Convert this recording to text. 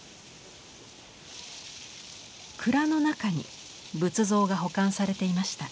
蔵の中に仏像が保管されていました。